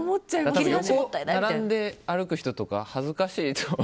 多分横に並んで歩く人とか恥ずかしいと思う。